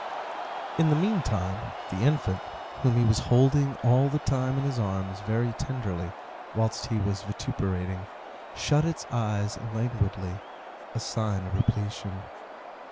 In the meantime the infant whom he was holding all the time in his arms very tenderly whilst he was vituperating, shut its eyes languidly; a sign of repletion.